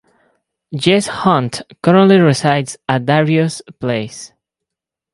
Jess Hunt currently resides at Darius' place.